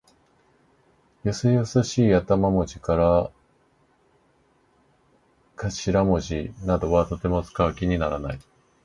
よそよそしい頭文字かしらもじなどはとても使う気にならない。